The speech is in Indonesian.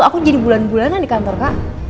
aku jadi bulan bulanan di kantor kak